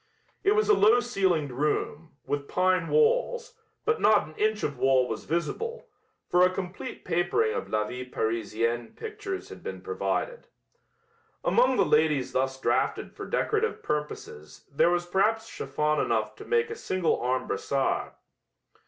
It was a low ceilinged room, with pine walls, but not an inch of wall was visible, for a complete papering of La Vie Parisienne pictures had been provided. Among the ladies thus drafted for decorative purposes there was perhaps chiffon enough to make a single arm brassard.